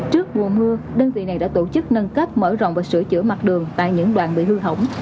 trước mùa mưa đơn vị này đã tổ chức nâng cấp mở rộng và sửa chữa mặt đường tại những đoàn bị hư hỏng